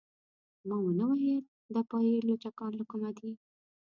ما نه ویل دا پايي لچکان له کومه دي.